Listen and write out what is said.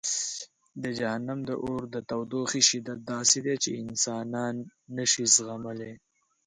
د جهنم د اور د تودوخې شدت داسې دی چې انسانان نه شي زغملی.